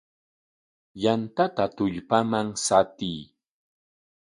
Yantata tullpaman shatiy.